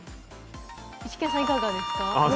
イシケンさん、いかがですか？